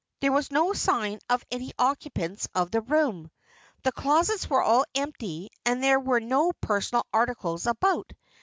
There was no sign of any occupants of the room. The closets were all empty and there were no personal articles about.